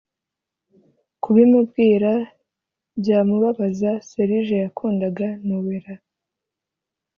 kubimubwira byamubabaza serije yakundaga nowela.